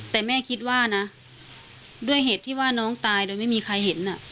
แต่แม่คิดว่านะด้วยเหตุที่ว่าน้องตายโดยไม่มีใครเห็น